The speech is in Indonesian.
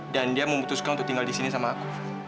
dan dia memutuskan untuk tinggal disini sama aku